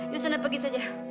yuk sana pergi saja